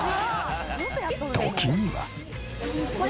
時には。